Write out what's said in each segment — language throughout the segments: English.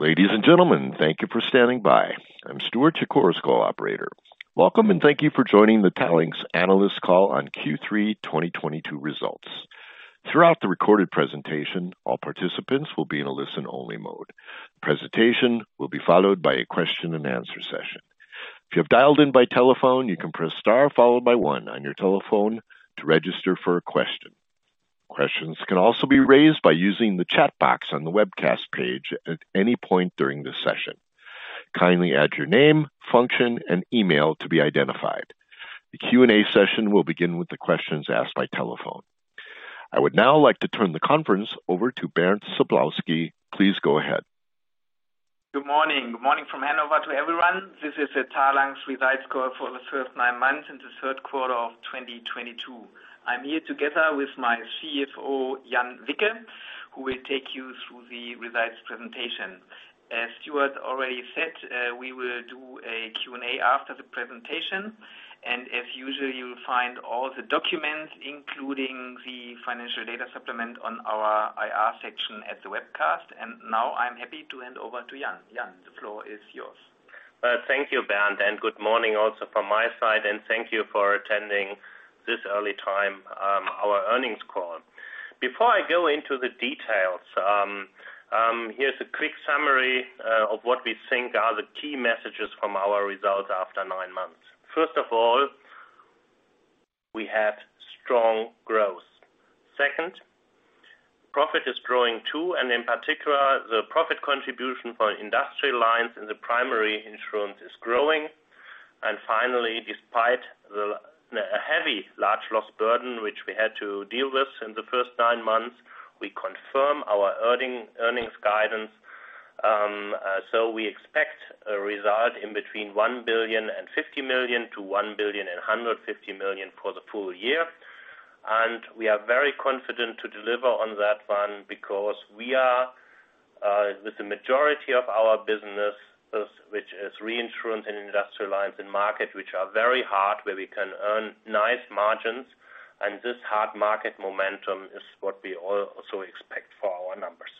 Ladies and gentlemen, thank you for standing by. I'm Stuart, your Chorus Call operator. Welcome, and thank you for joining the Talanx analyst call on Q3 2022 results. Throughout the recorded presentation, all participants will be in a listen-only mode. Presentation will be followed by a question-and-answer session. If you have dialed in by telephone, you can press star followed by one on your telephone to register for a question. Questions can also be raised by using the chat box on the webcast page at any point during this session. Kindly add your name, function, and email to be identified. The Q&A session will begin with the questions asked by telephone. I would now like to turn the conference over to Bernd Sablowsky. Please go ahead. Good morning. Good morning from Hanover to everyone. This is the Talanx results call for the first nine months and the Q3 of 2022. I'm here together with my CFO, Jan Wicke, who will take you through the results presentation. As Stuart already said, we will do a Q&A after the presentation, and as usual, you'll find all the documents, including the financial data supplement on our IR section at the webcast. Now I'm happy to hand over to Jan. Jan, the floor is yours. Thank you, Bernd, and good morning also from my side. Thank you for attending this early time, our earnings call. Before I go into the details, here's a quick summary of what we think are the key messages from our results after nine months. First of all, we have strong growth. Second, profit is growing too, and in particular, the profit contribution for Industrial Lines in the primary insurance is growing. Finally, despite a heavy large loss burden, which we had to deal with in the first nine months, we confirm our earnings guidance. We expect a result between 1.05 billion and 1.15 billion for the full year. We are very confident to deliver on that one because we are with the majority of our businesses, which is reinsurance and Industrial Lines in markets which are very hard, where we can earn nice margins. This hard market momentum is what we also expect for our numbers.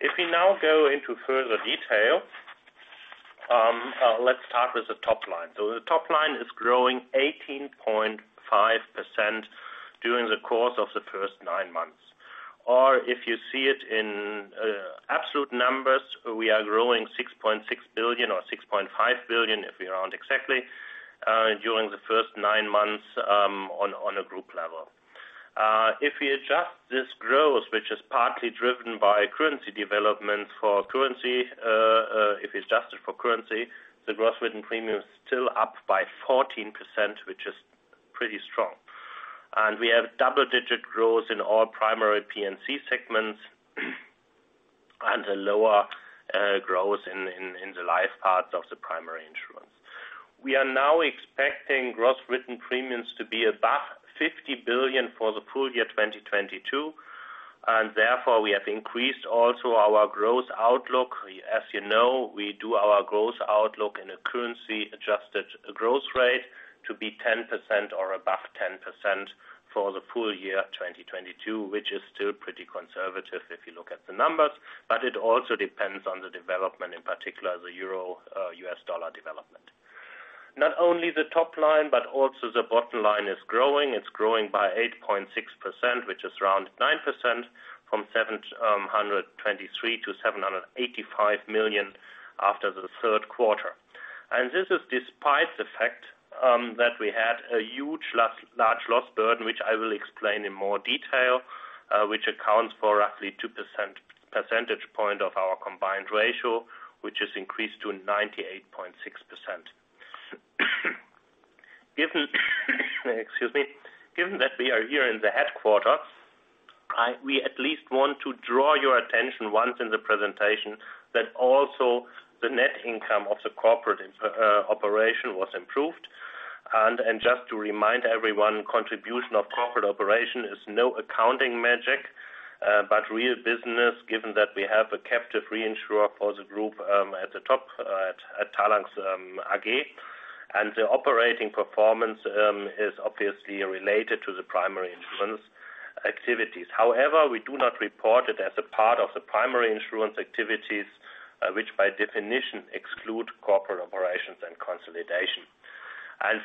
If we now go into further detail, let's start with the top line. The top line is growing 18.5% during the course of the first nine months. If you see it in absolute numbers, we are growing 6.6 billion or 6.5 billion, if we round exactly, during the first nine months on a group level. If we adjust this growth, which is partly driven by currency development for currency, if we adjust it for currency, the gross written premium is still up by 14%, which is pretty strong. We have double-digit growth in all primary P&C segments and a lower growth in the life parts of the primary insurance. We are now expecting gross written premiums to be above 50 billion for the full year 2022, and therefore, we have increased also our growth outlook. As you know, we do our growth outlook in a currency-adjusted growth rate to be 10% or above 10% for the full year 2022, which is still pretty conservative if you look at the numbers. It also depends on the development, in particular, the Euro-US dollar development. Not only the top line, but also the bottom line is growing. It's growing by 8.6%, which is around 9%, from 723-785 million after the Q3. This is despite the fact that we had a huge, large loss burden, which I will explain in more detail, which accounts for roughly two percentage points of our combined ratio, which has increased to 98.6%. Given that we are here in the headquarters, we at least want to draw your attention once in the presentation that also the net income of the corporate operation was improved. Just to remind everyone, contribution of corporate operation is no accounting magic, but real business, given that we have a captive reinsurer for the group, at the top, at Talanx AG. The operating performance is obviously related to the primary insurance activities. However, we do not report it as a part of the primary insurance activities, which by definition exclude corporate operations and consolidation.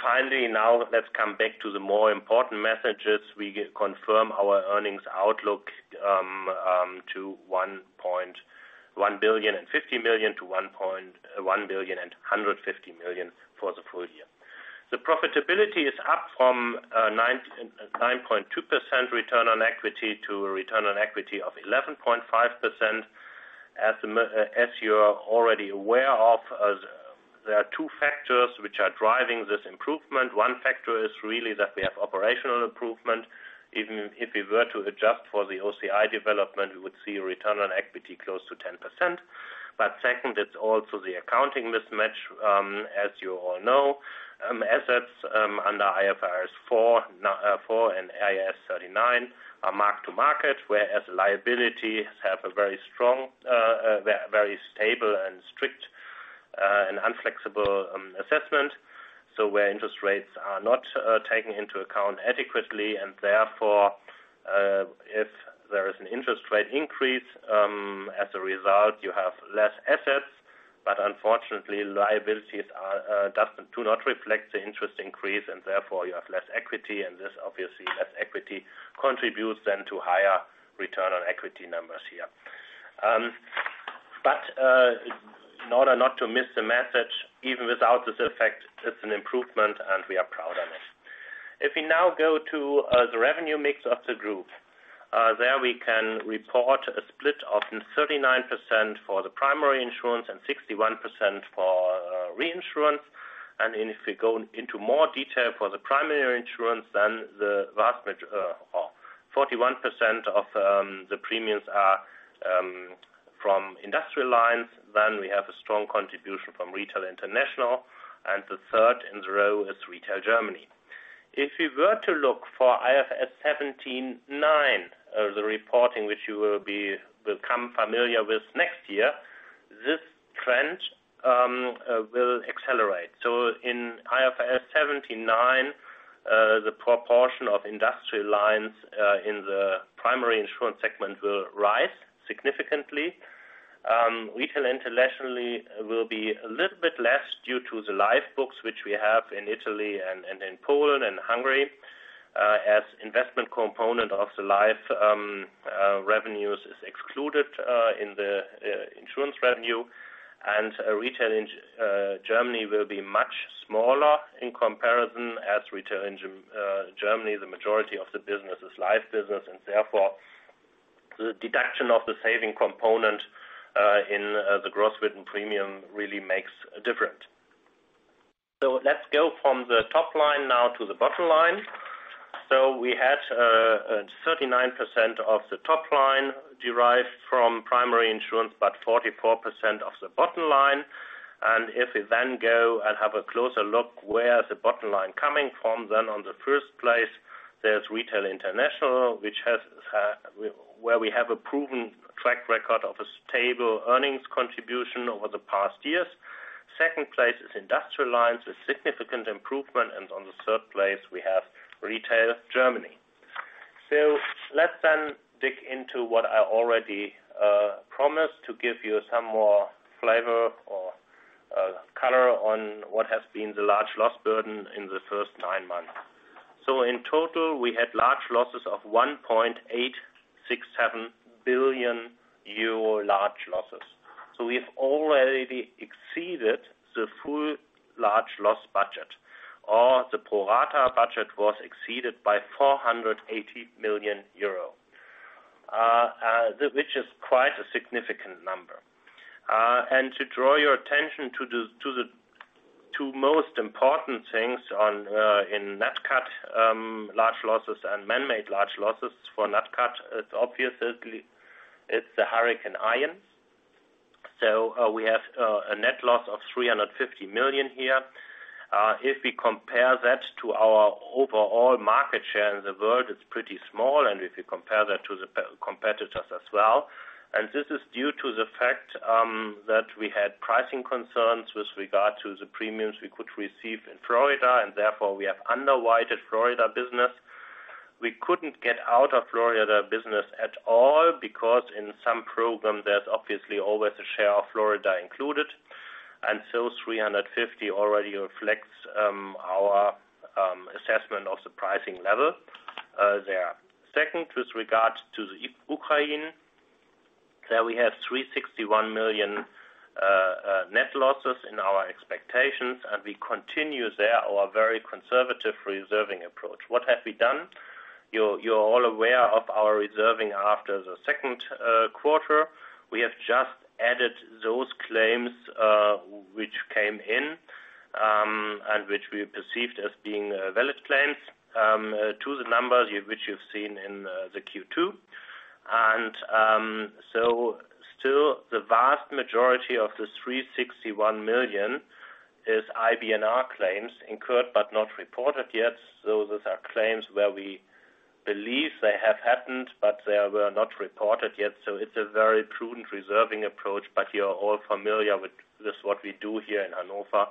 Finally, now let's come back to the more important messages. We confirm our earnings outlook to 1.05-1.15 billion for the full year. The profitability is up from 9.2% return on equity to a return on equity of 11.5%. As you are already aware of, there are two factors which are driving this improvement. One factor is really that we have operational improvement. Even if we were to adjust for the OCI development, we would see a return on equity close to 10%. Second, it's also the accounting mismatch, as you all know. Assets under IFRS 4 and IAS 39 are marked to market, whereas liabilities have a very strong, very stable and strict and inflexible assessment. Where interest rates are not taken into account adequately and therefore, if there is an interest rate increase, as a result, you have less assets, but unfortunately, liabilities do not reflect the interest increase, and therefore you have less equity. This, obviously, less equity contributes then to higher return on equity numbers here. In order not to miss the message, even without this effect, it's an improvement, and we are proud of it. If we now go to the revenue mix of the group, there we can report a split of 39% for the primary insurance and 61% for reinsurance. If we go into more detail for the primary insurance, then 41% of the premiums are from Industrial Lines, then we have a strong contribution from Retail International, and the third in the row is Retail Germany. If we were to look for IFRS 17/9, the reporting which you will be, will come familiar with next year, this trend will accelerate. In IFRS 17/9, the proportion of Industrial Lines in the primary insurance segment will rise significantly. Retail International will be a little bit less due to the life books which we have in Italy and in Poland and Hungary, as investment component of the life revenues is excluded in the insurance revenue. Retail Germany will be much smaller in comparison as Retail Germany, the majority of the business is life business, and therefore, the deduction of the savings component in the gross written premium really makes a difference. Let's go from the top line now to the bottom line. We had 39% of the top line derived from primary insurance, but 44% of the bottom line. If we then go and have a closer look where the bottom line coming from, then on the first place, there's Retail International, which has, where we have a proven track record of a stable earnings contribution over the past years. Second place is Industrial Lines, a significant improvement, and on the third place, we have Retail Germany. Let's then dig into what I already promised to give you some more flavor or color on what has been the large loss burden in the first nine months. In total, we had large losses of 1.867 billion euro large losses. We've already exceeded the full large loss budget, or the pro rata budget was exceeded by 480 million euro. Which is quite a significant number. To draw your attention to the two most important things on in Nat Cat, large losses and manmade large losses. For Nat Cat, it's obviously the Hurricane Ian. We have a net loss of 350 million here. If we compare that to our overall market share in the world, it's pretty small, and if you compare that to the competitors as well. This is due to the fact that we had pricing concerns with regard to the premiums we could receive in Florida, and therefore, we have underwrote Florida business. We couldn't get out of Florida business at all because in some program, there's obviously always a share of Florida included. 350 million already reflects our assessment of the pricing level there. Second, with regard to the Ukraine, there we have 361 million net losses in our expectations, and we continue there our very conservative reserving approach. What have we done? You're all aware of our reserving after the Q2. We have just added those claims which came in and which we perceived as being valid claims to the numbers which you've seen in the Q2. Still the vast majority of the 361 million is IBNR claims incurred but not reported yet. Those are claims where we believe they have happened, but they were not reported yet. It's a very prudent reserving approach, but you're all familiar with this, what we do here in Hanover,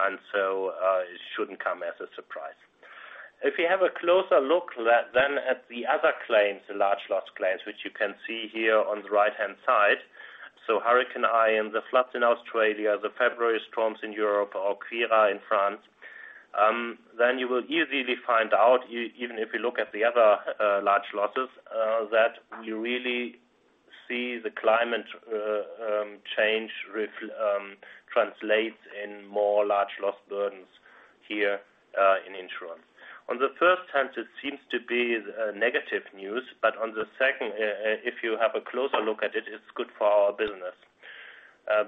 and so it shouldn't come as a surprise. If you have a closer look then at the other claims, the large loss claims, which you can see here on the right-hand side. Hurricanes and the floods in Australia, the February storms in Europe or Kira in France, then you will easily find out, even if you look at the other, large losses, that you really see the climate change translates in more large loss burdens here, in insurance. On the first hand, it seems to be negative news, but on the second, if you have a closer look at it's good for our business,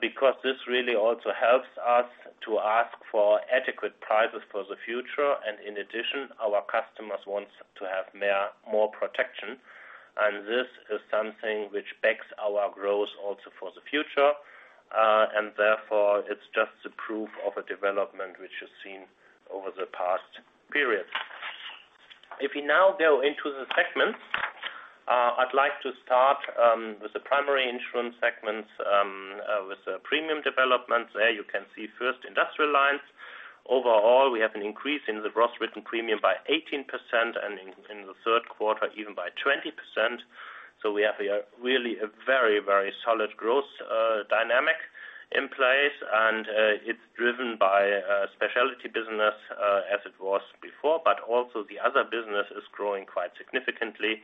because this really also helps us to ask for adequate prices for the future. In addition, our customers want to have more protection. This is something which backs our growth also for the future. Therefore, it's just the proof of a development which is seen over the past period. If we now go into the segments, I'd like to start with the primary insurance segments with the premium developments. There you can see first Industrial Lines. Overall, we have an increase in the gross written premium by 18% and in the Q3, even by 20%. We have a really very solid growth dynamic in place, and it's driven by specialty business as it was before. But also the other business is growing quite significantly.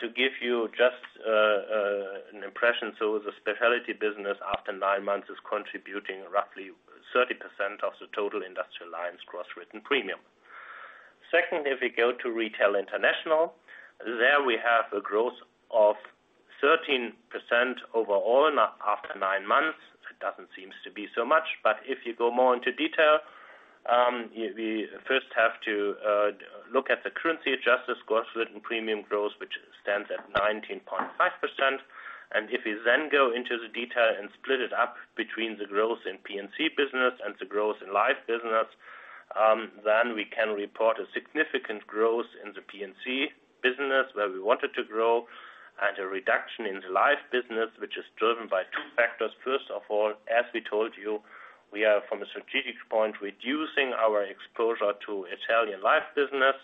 To give you just an impression, the specialty business after nine months is contributing roughly 30% of the total Industrial Lines gross written premium. Second, if we go to Retail International, there we have a growth of 13% overall after nine months. It doesn't seem to be so much, but if you go more into detail, we first have to look at the currency adjusted gross written premium growth, which stands at 19.5%. If we then go into the detail and split it up between the growth in P&C business and the growth in life business, then we can report a significant growth in the P&C business where we wanted to grow, and a reduction in the life business, which is driven by two factors. First of all, as we told you, we are, from a strategic point, reducing our exposure to Italian life business.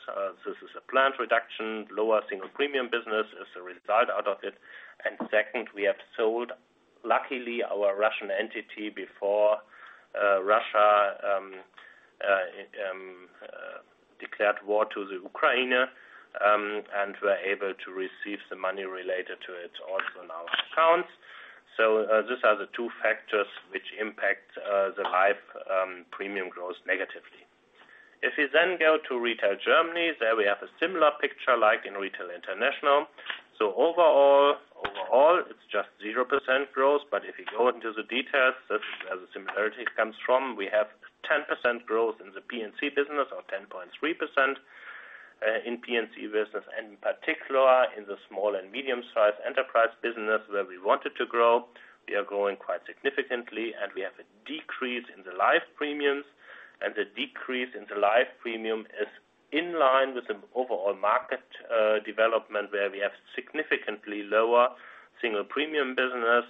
This is a planned reduction. Lower single premium business is a result of it. Second, we have sold, luckily, our Russian entity before Russia declared war to the Ukraine, and we're able to receive the money related to it also in our accounts. These are the two factors which impact the life premium growth negatively. If we then go to Retail Germany, there we have a similar picture like in Retail International. Overall, it's just 0% growth. If you go into the details, that's where the similarity comes from. We have 10% growth in the P&C business, or 10.3%, in P&C business, and in particular in the small and medium-sized enterprise business where we wanted to grow. We are growing quite significantly, and we have a decrease in the life premiums. The decrease in the life premium is in line with the overall market development, where we have significantly lower single premium business,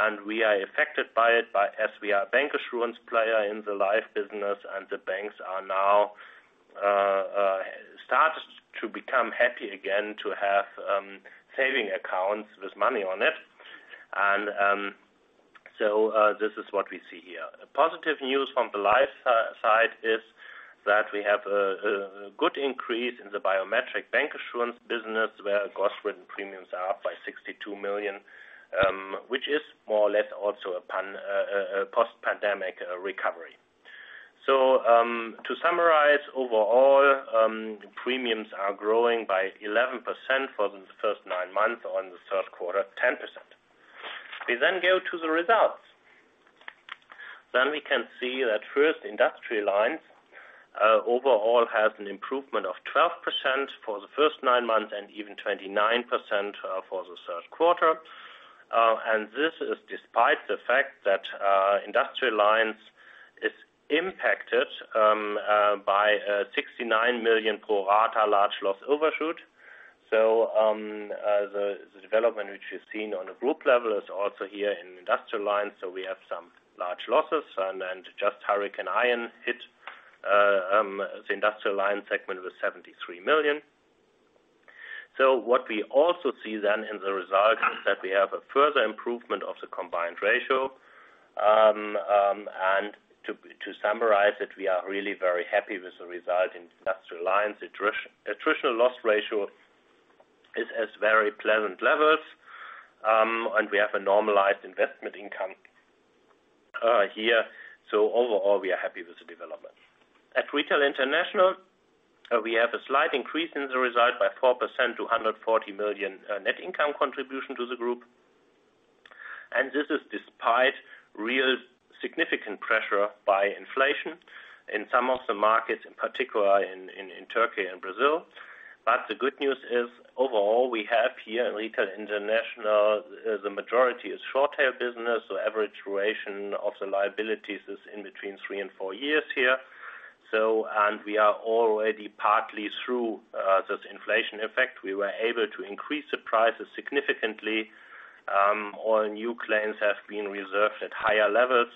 and we are affected by it by, as we are a bancassurance player in the life business, and the banks are now start to become happy again to have savings accounts with money on it. This is what we see here. Positive news from the life side is that we have a good increase in the biometric bancassurance business, where gross written premiums are up by 62 million, which is more or less also a post-pandemic recovery. To summarize, overall, premiums are growing by 11% for the first nine months, or in the Q3, 10%. We then go to the results. We can see that first Industrial Lines overall have an improvement of 12% for the first nine months and even 29% for the Q3. This is despite the fact that Industrial Lines is impacted by a 69 million pro rata large loss overshoot. The development which we've seen on a group level is also here in Industrial Lines. We have some large losses and just Hurricane Ian hit the Industrial Lines segment with 73 million. What we also see then in the result is that we have a further improvement of the combined ratio. To summarize it, we are really very happy with the result in Industrial Lines. Attrition loss ratio is at very pleasant levels, and we have a normalized investment income here. Overall, we are happy with the development. At Retail International, we have a slight increase in the result by 4% to 140 million net income contribution to the group. This is despite real significant pressure by inflation in some of the markets, in particular in Turkey and Brazil. The good news is overall, we have here in Retail International, the majority is short tail business, so average duration of the liabilities is three to four years here. We are already partly through this inflation effect. We were able to increase the prices significantly. All new claims have been reserved at higher levels.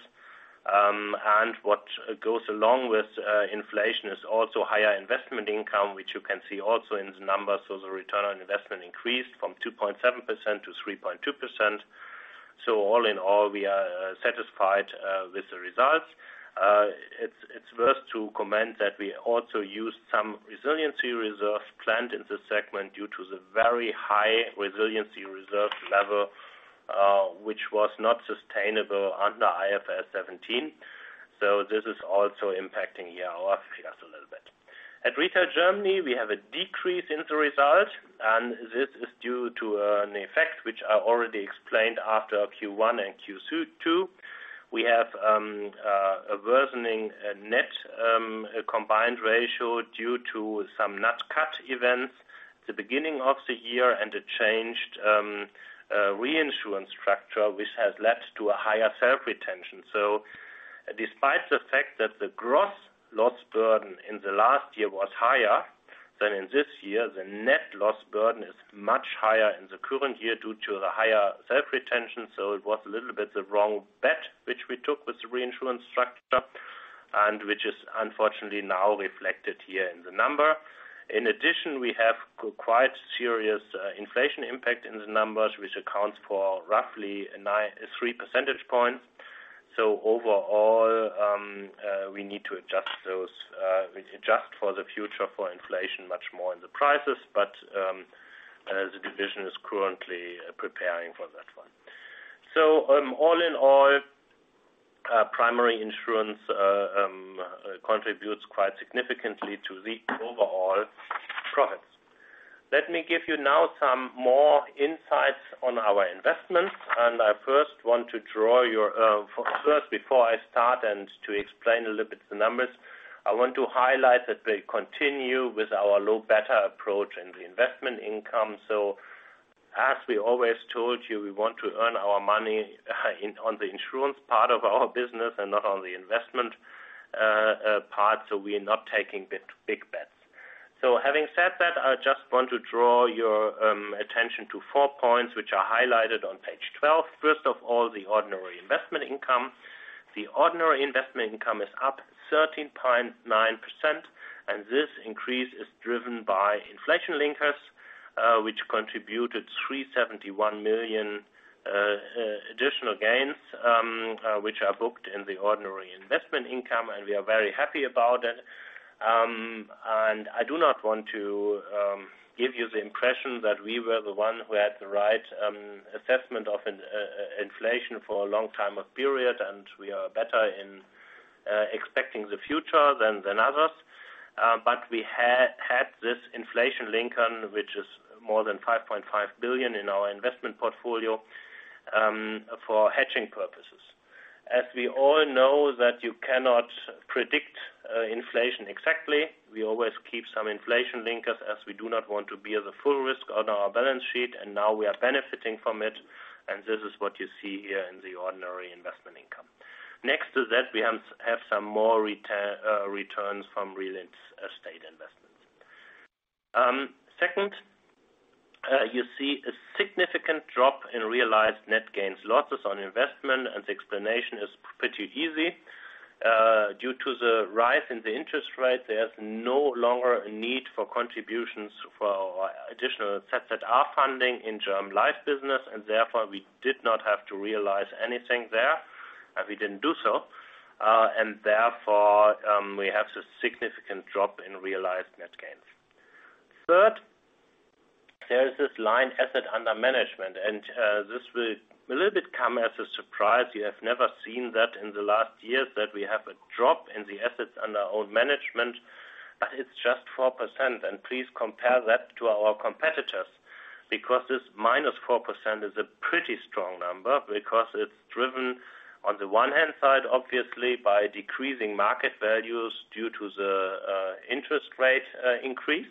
What goes along with inflation is also higher investment income, which you can see also in the numbers. The return on investment increased from 2.7%-3.2%. All in all, we are satisfied with the results. It's worth to comment that we also used some resiliency reserves planned in this segment due to the very high resiliency reserve level, which was not sustainable under IFRS 17. This is also impacting here our figures a little bit. At Retail Germany, we have a decrease in the result, and this is due to an effect which I already explained after Q1 and Q2. We have a worsening net combined ratio due to some Nat Cat events at the beginning of the year and the changed reinsurance structure, which has led to a higher self-retention. Despite the fact that the gross loss burden in the last year was higher than in this year, the net loss burden is much higher in the current year due to the higher self-retention. It was a little bit the wrong bet, which we took with the reinsurance structure, and which is unfortunately now reflected here in the number. In addition, we have quite serious inflation impact in the numbers, which accounts for roughly 9.3 percentage points. Overall, we need to adjust those for the future for inflation much more in the prices. The division is currently preparing for that one. All in all, primary insurance contributes quite significantly to the overall profits. Let me give you now some more insights on our investments, and to explain a little bit the numbers, I want to highlight that we continue with our low beta approach in the investment income. As we always told you, we want to earn our money in on the insurance part of our business and not on the investment part. We're not taking big bets. Having said that, I just want to draw your attention to 4 points, which are highlighted on page 12. First of all, the ordinary investment income. The ordinary investment income is up 13.9%, and this increase is driven by inflation linkers, which contributed 371 million additional gains, which are booked in the ordinary investment income, and we are very happy about it. I do not want to give you the impression that we were the one who had the right assessment of inflation for a long time of period, and we are better in expecting the future than others. We had this inflation linker, which is more than 5.5 billion in our investment portfolio, for hedging purposes. As we all know that you cannot predict inflation exactly, we always keep some inflation linkers, as we do not want to bear the full risk on our balance sheet, and now we are benefiting from it. This is what you see here in the ordinary investment income. Next to that, we have some more returns from real estate investments. Second, you see a significant drop in realized net gains, losses on investment, and the explanation is pretty easy. Due to the rise in the interest rate, there's no longer a need for contributions for our additional ZZR that are funding in term life business. Therefore, we did not have to realize anything there. We didn't do so. Therefore, we have the significant drop in realized net gains. Third, there is this line assets under management. This will a little bit come as a surprise. You have never seen that in the last years that we have a drop in the assets under our management. It's just 4%. Please compare that to our competitors, because this -4% is a pretty strong number because it's driven, on the one hand side, obviously, by decreasing market values due to the interest rate increase,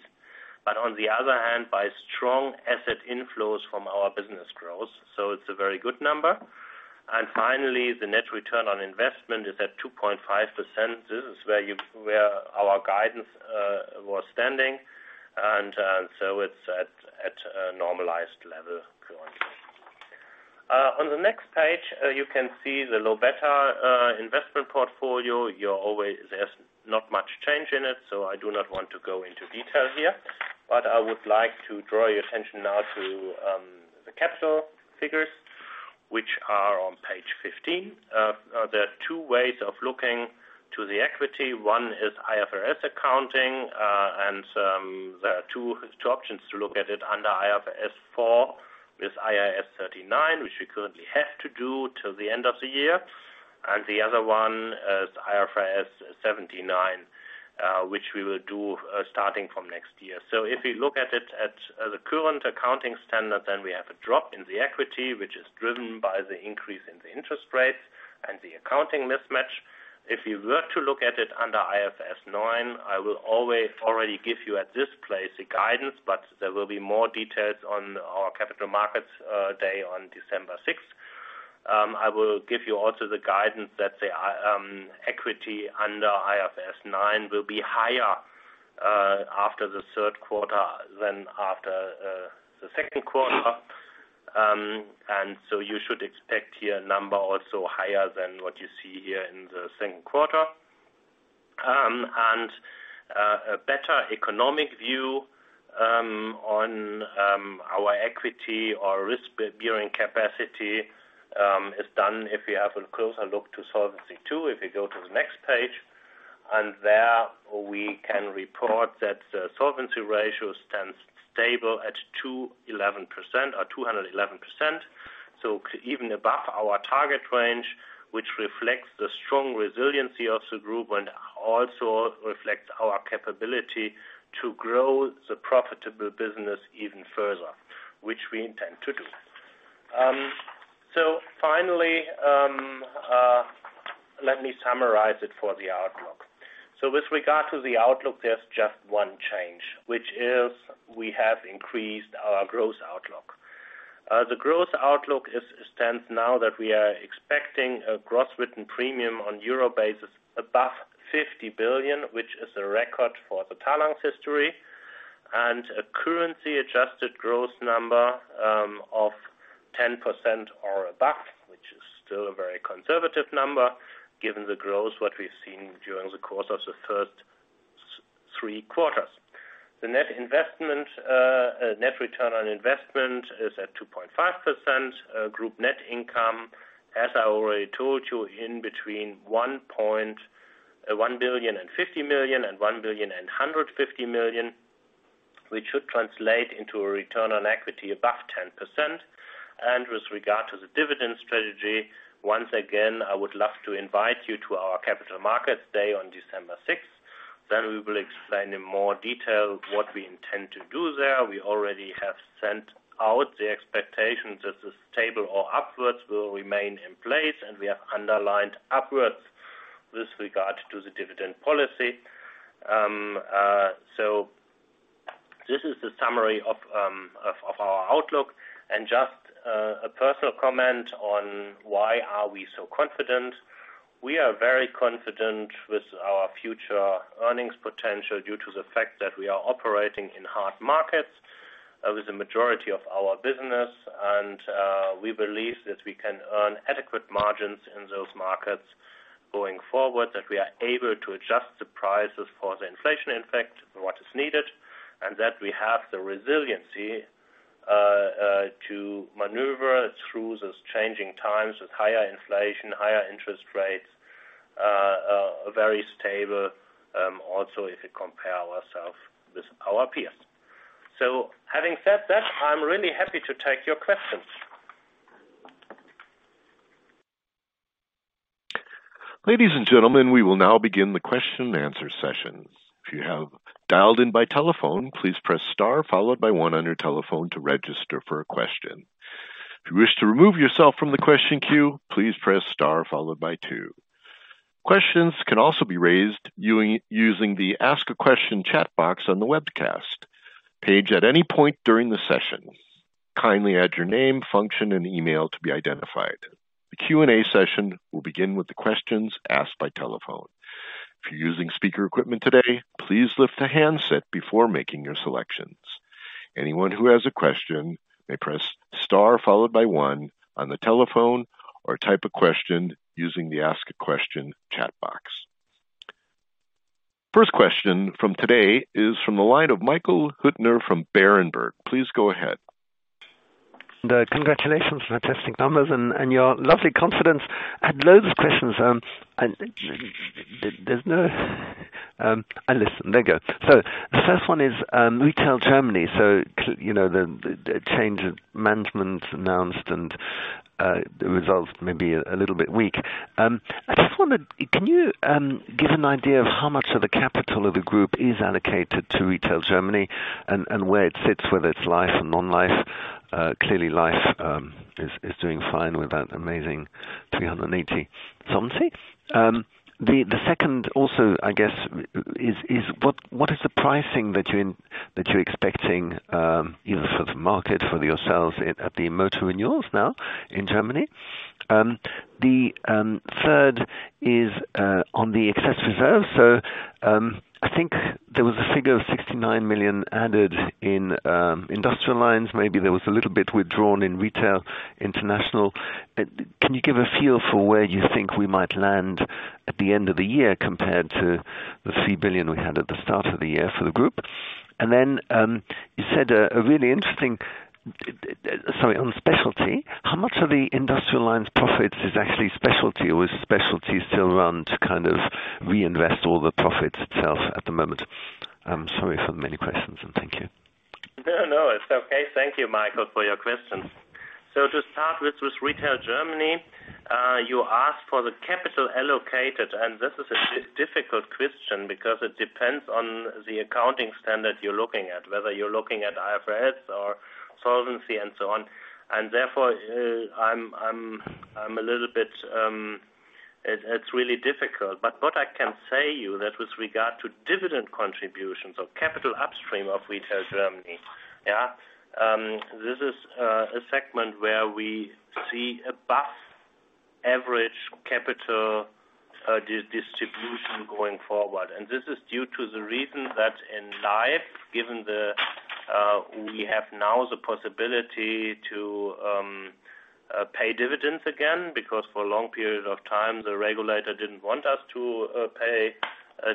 but on the other hand, by strong asset inflows from our business growth. So it's a very good number. And finally, the net return on investment is at 2.5%. This is where our guidance was standing. And so it's at a normalized level currently. On the next page, you can see the low beta investment portfolio. There's not much change in it, so I do not want to go into detail here. But I would like to draw your attention now to the capital figures, which are on page 15. There are two ways of looking to the equity. One is IFRS accounting, and there are two options to look at it under IFRS 4 with IAS 39, which we currently have to do till the end of the year. The other one is IFRS 17/9, which we will do starting from next year. If you look at it at the current accounting standard, then we have a drop in the equity, which is driven by the increase in the interest rates and the accounting mismatch. If you were to look at it under IFRS 9, I will always already give you at this place the guidance, but there will be more details on our capital markets day on December 6th. I will give you also the guidance that the equity under IFRS 9 will be higher after the Q3 than after the Q2. You should expect here a number also higher than what you see here in the Q2. A better economic view on our equity or risk bearing capacity is done if you have a closer look to Solvency II, if you go to the next page. There we can report that the solvency ratio stands stable at 211% or 211%. Even above our target range, which reflects the strong resiliency of the group and also reflects our capability to grow the profitable business even further, which we intend to do. Finally, let me summarize it for the outlook. With regard to the outlook, there's just one change, which is we have increased our growth outlook. The growth outlook now stands that we are expecting gross written premium on a Euro basis above 50 billion, which is a record for the 11-year history. A currency adjusted gross number of 10% or above, which is still a very conservative number given the growth that we've seen during the course of the first three quarters. The net investment net return on investment is at 2.5%. Group net income, as I already told you, between 1.05 billion and 1.15 billion, which should translate into a return on equity above 10%. With regard to the dividend strategy, once again, I would love to invite you to our capital markets day on December 6th. Then we will explain in more detail what we intend to do there. We already have sent out the expectations that the stable or upwards will remain in place, and we have underlined upwards with regard to the dividend policy. This is the summary of our outlook. Just a personal comment on why we are so confident. We are very confident with our future earnings potential due to the fact that we are operating in hard markets with the majority of our business. We believe that we can earn adequate margins in those markets going forward, that we are able to adjust the prices for the inflation impact what is needed, and that we have the resiliency to maneuver through those changing times with higher inflation, higher interest rates, very stable, also, if you compare ourselves with our peers. Having said that, I'm really happy to take your questions. Ladies and gentlemen, we will now begin the question and answer session. If you have dialed in by telephone, please press star followed by one on your telephone to register for a question. If you wish to remove yourself from the question queue, please press star followed by two. Questions can also be raised using the ask a question chat box on the webcast page at any point during the session. Kindly add your name, function, and email to be identified. The Q&A session will begin with the questions asked by telephone. If you're using speaker equipment today, please lift the handset before making your selections. Anyone who has a question may press star followed by one on the telephone, or type a question using the ask a question chat box. First question from today is from the line of Michael Huttner from Berenberg. Please go ahead. Congratulations on fantastic numbers and your lovely confidence. I had loads of questions, and I'll list them. Here we go. The first one is Retail Germany. You know, the change of management announced and the results may be a little bit weak. I just wondered, can you give an idea of how much of the capital of the group is allocated to Retail Germany and where it sits, whether it's life or non-life? Clearly life is doing fine with that amazing 380% solvency. The second also, I guess is what pricing you're expecting, you know, for the market, for yourselves at the motor renewals now in Germany? The third is on the excess reserve. I think there was a figure of 69 million added in Industrial Lines. Maybe there was a little bit withdrawn in Retail International. Can you give a feel for where you think we might land at the end of the year compared to the 3 billion we had at the start of the year for the group? You said a really interesting. Sorry. On specialty, how much of the Industrial Lines profits is actually specialty? Or is specialty still run to kind of reinvest all the profits itself at the moment? I'm sorry for many questions, and thank you. No, no, it's okay. Thank you, Michael, for your questions. To start with Retail Germany, you asked for the capital allocated, and this is a difficult question because it depends on the accounting standard you're looking at, whether you're looking at IFRS or solvency and so on. Therefore, I'm a little bit. It's really difficult. What I can say to you that with regard to dividend contributions or capital upstream of Retail Germany, yeah, this is a segment where we see above average capital distribution going forward. This is due to the reason that in life, given the, we have now the possibility to pay dividends again, because for a long period of time, the regulator didn't want us to pay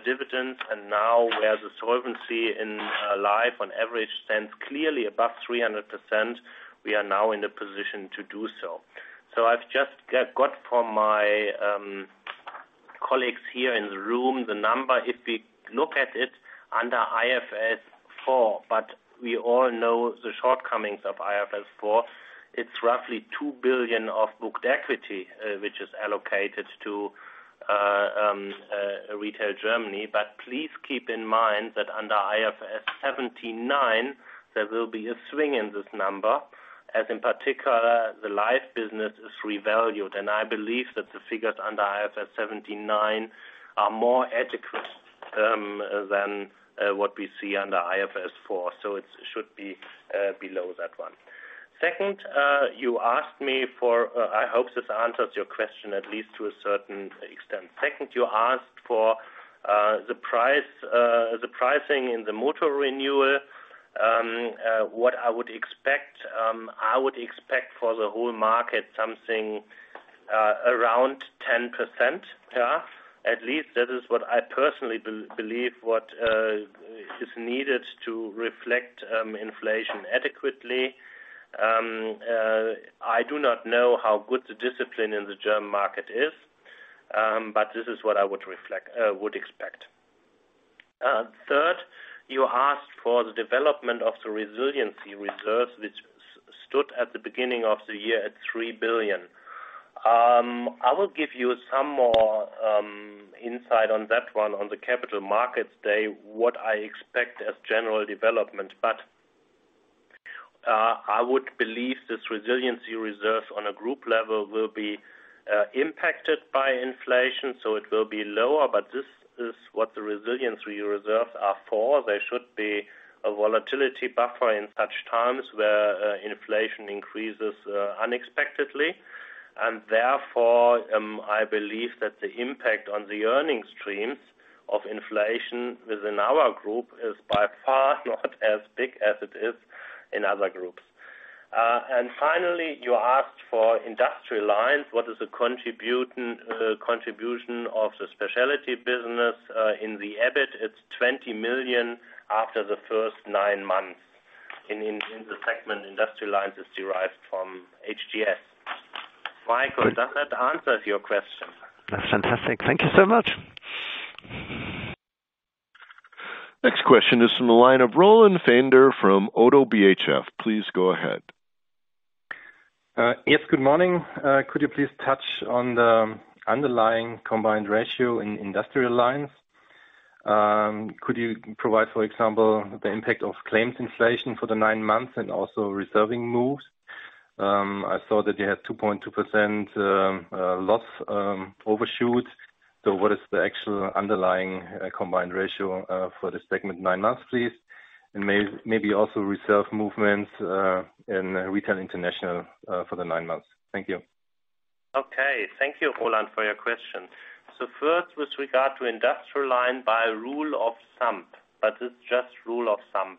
dividends. Now, where the solvency in life on average stands clearly above 300%, we are now in the position to do so. I've just got from my colleagues here in the room, the number. If we look at it under IFRS 4, but we all know the shortcomings of IFRS 4, it's roughly 2 billion of booked equity, which is allocated to Retail Germany. But please keep in mind that under IFRS 17/9, there will be a swing in this number, as in particular, the life business is revalued. I believe that the figures under IFRS 17/9 are more adequate than what we see under IFRS 4. It should be below that one. Second, I hope this answers your question at least to a certain extent. Second, you asked for the price, the pricing in the motor renewal, what I would expect. I would expect for the whole market something around 10% tough. At least that is what I personally believe what is needed to reflect inflation adequately. I do not know how good the discipline in the German market is, but this is what I would reflect, would expect. Third, you asked for the development of the resiliency reserves, which stood at the beginning of the year at 3 billion. I will give you some more insight on that one on the capital markets day, what I expect as general development. I would believe this resiliency reserve on a group level will be impacted by inflation, so it will be lower. This is what the resiliency reserves are for. There should be a volatility buffer in such times where inflation increases unexpectedly. Therefore, I believe that the impact on the earnings streams of inflation within our group is by far not as big as it is in other groups. Finally, you asked for Industrial Lines. What is the contribution of the specialty business in the EBIT? It's 20 million after the first nine months in the segment. Industrial Lines is derived from HTS. Michael, does that answer your question? That's fantastic. Thank you so much. Next question is from the line of Roland Pfänder from ODDO BHF. Please go ahead. Yes, good morning. Could you please touch on the underlying combined ratio in Industrial Lines? Could you provide, for example, the impact of claims inflation for the nine months and also reserving moves? I saw that you had 2.2% loss overshoot. What is the actual underlying combined ratio for this segment nine months, please? Maybe also reserve movements in Retail International for the nine months. Thank you. Okay. Thank you, Roland, for your question. First, with regard to Industrial Lines by rule of thumb, but it's just rule of thumb.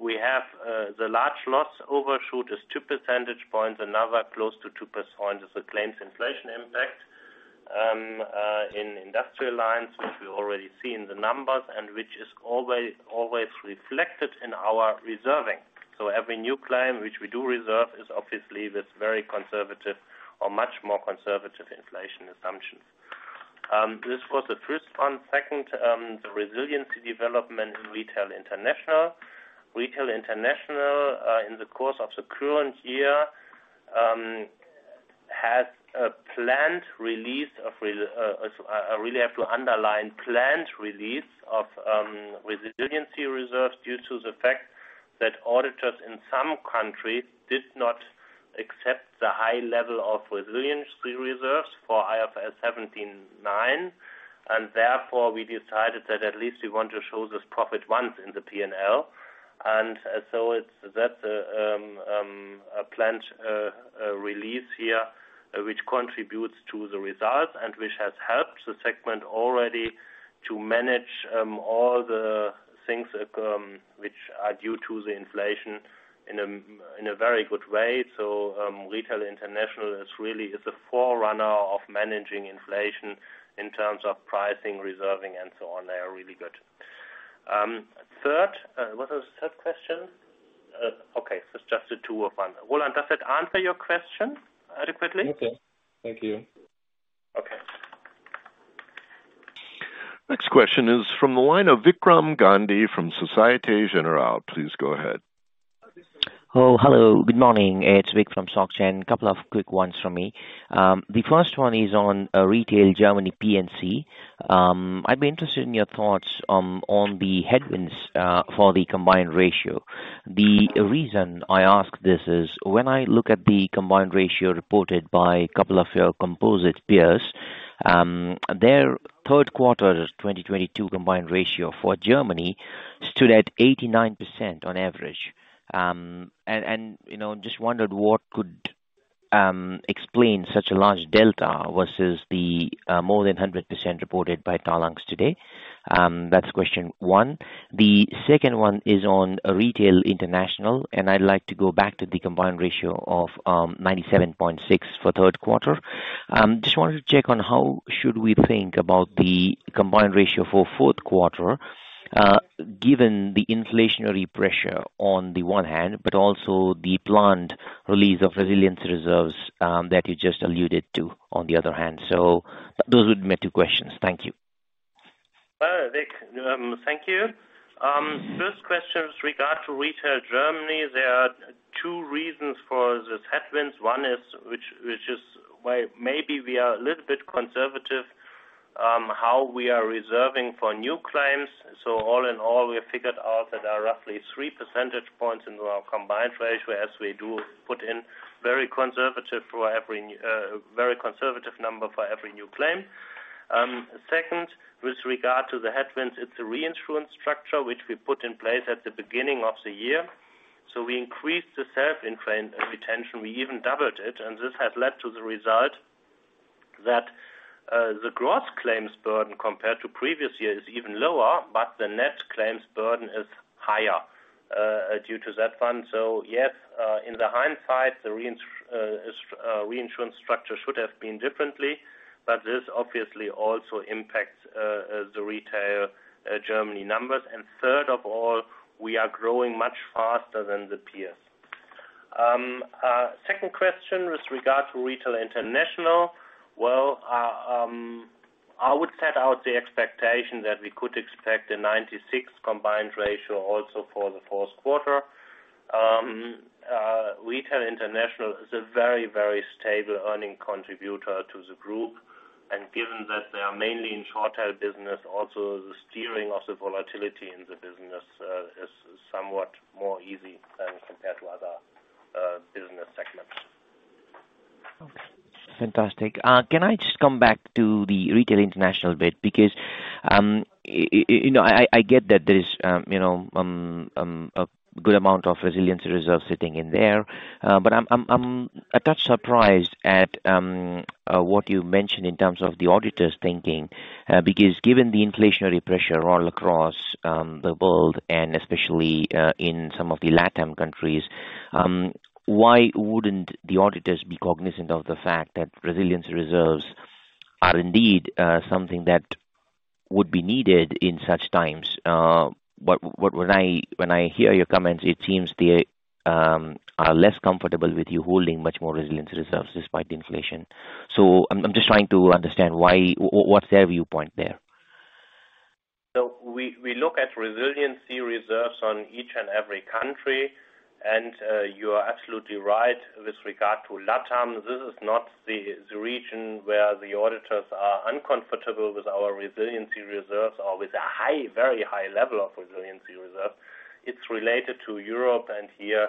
We have the large loss overshoot is two percentage points. Another close to 2% is the claims inflation impact in Industrial Lines, which we already see in the numbers and which is always reflected in our reserving. Every new claim which we do reserve is obviously this very conservative or much more conservative inflation assumption. This was the first one. Second, the reserving development in Retail International. Retail International in the course of the current year has a planned release of resiliency reserves due to the fact that auditors in some countries did not accept the high level of resiliency reserves for IFRS 17/9. I really have to underline planned release of resiliency reserves. Therefore, we decided that at least we want to show this profit once in the P&L. It's a planned release here, which contributes to the results and which has helped the segment already to manage all the things which are due to the inflation in a very good way. Retail International is really a forerunner of managing inflation in terms of pricing, reserving, and so on. They are really good. Third, what was the third question? Okay, it's just the two of one. Roland, does that answer your question adequately? Okay. Thank you. Okay. Next question is from the line of Vikram Gandhi from Société Générale. Please go ahead. Oh, hello. Good morning. It's Vik from SocGen. A couple of quick ones from me. The first one is on Retail Germany P&C. I'd be interested in your thoughts on the headwinds for the combined ratio. The reason I ask this is when I look at the combined ratio reported by a couple of your composite peers, their Q3 2022 combined ratio for Germany stood at 89% on average. You know, just wondered what could explain such a large delta versus the more than 100% reported by Talanx today. That's question one. The second one is on Retail International, and I'd like to go back to the combined ratio of 97.6 for Q3. Just wanted to check on how should we think about the combined ratio for Q4, given the inflationary pressure on the one hand, but also the planned release of resilience reserves, that you just alluded to on the other hand. Those would be my two questions. Thank you. Well, Vikram, thank you. First question with regard to Retail Germany. There are two reasons for these headwinds. One is, which is why maybe we are a little bit conservative, how we are reserving for new claims. All in all, we have figured out that there are roughly three percentage points in our combined ratio, as we do put in very conservative number for every new claim. Second, with regard to the headwinds, it's a reinsurance structure which we put in place at the beginning of the year. We increased the self-insured retention. We even doubled it. This has led to the result that the gross claims burden compared to previous years is even lower, but the net claims burden is higher, due to that one. Yes, in hindsight, the reinsurance structure should have been differently, but this obviously also impacts the Retail Germany numbers. Third of all, we are growing much faster than the peers. Second question with regard to Retail International. I would set out the expectation that we could expect a 96 combined ratio also for the Q4. Retail International is a very stable earning contributor to the group. Given that they are mainly in short tail business, also the steering of the volatility in the business is somewhat more easy than compared to other business segments. Okay. Fantastic. Can I just come back to the Retail International bit? Because you know, I get that there is a good amount of resiliency reserves sitting in there. I'm a touch surprised at what you mentioned in terms of the auditors thinking. Because given the inflationary pressure all across the world, and especially in some of the LatAm countries, why wouldn't the auditors be cognizant of the fact that resiliency reserves are indeed something that would be needed in such times? When I hear your comments, it seems they are less comfortable with you holding much more resiliency reserves despite the inflation. I'm just trying to understand why. What's their viewpoint there? We look at resiliency reserves on each and every country. You are absolutely right with regard to LatAm. This is not the region where the auditors are uncomfortable with our resiliency reserves or with a very high level of resiliency reserve. It's related to Europe and here.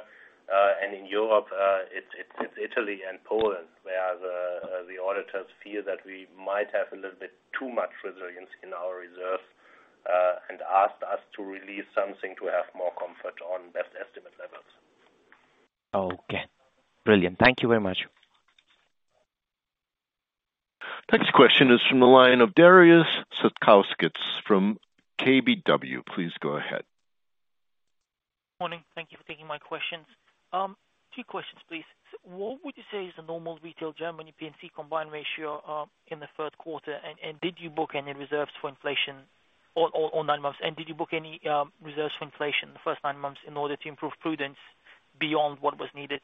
In Europe, it's Italy and Poland, where the auditors fear that we might have a little bit too much resilience in our reserve and asked us to release something to have more comfort on best estimate levels. Okay. Brilliant. Thank you very much. Next question is from the line of Darius Satkauskas from KBW. Please go ahead. Morning. Thank you for taking my questions. Two questions, please. What would you say is the normal Retail Germany P&C combined ratio in the Q3? And did you book any reserves for inflation or nine months? And did you book any reserves for inflation the first nine months in order to improve prudence beyond what was needed?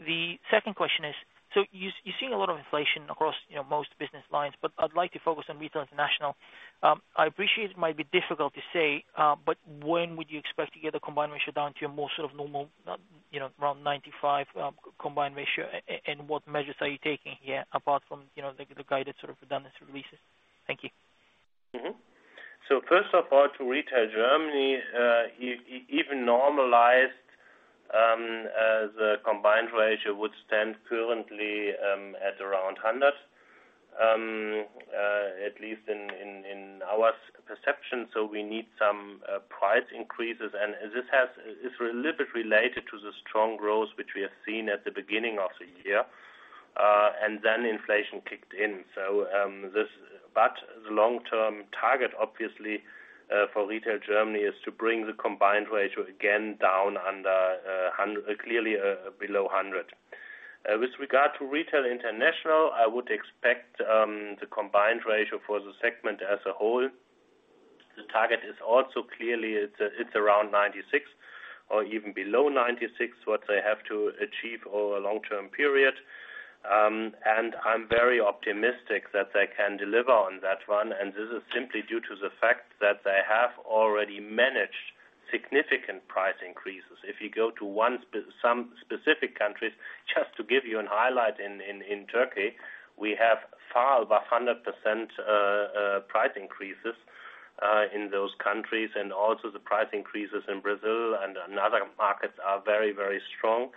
The second question is, you are seeing a lot of inflation across, you know, most business lines. But I'd like to focus on Retail International. I appreciate it might be difficult to say, but when would you expect to get a combined ratio down to a more sort of normal, you know, around 95 combined ratio? And what measures are you taking here apart from, you know, the guided sort of redundancy releases? Thank you. First of all, to Retail Germany, even normalized, as a combined ratio would stand currently at around 100%. At least in our perception. We need some price increases. This is a little bit related to the strong growth which we have seen at the beginning of the year, and then inflation kicked in. The long-term target, obviously, for Retail Germany is to bring the combined ratio again down under clearly below 100%. With regard to Retail International, I would expect the combined ratio for the segment as a whole. The target is also clearly it's around 96% or even below 96%, what they have to achieve over a long-term period. I'm very optimistic that they can deliver on that one. This is simply due to the fact that they have already managed significant price increases. If you go to some specific countries, just to give you a highlight in Turkey, we have far above 100% price increases in those countries. The price increases in Brazil and in other markets are very, very strong.